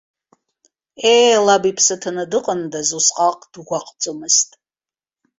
Ее, лаб иԥсы ҭаны дыҟандаз усҟак дгәаҟӡомызт.